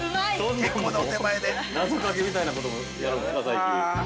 ◆謎かけみたいなこともやるんですか、最近。